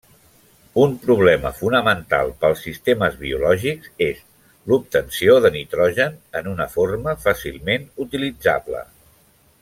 Un problema fonamental pels sistemes biològics és l'obtenció de nitrogen en una forma fàcilment utilitzable.